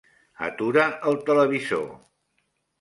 Atura el televisor.